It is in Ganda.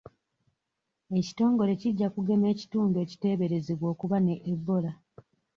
Ekitongole kijja kugema ekitundu ekiteeberezebwa okuba ne Ebola.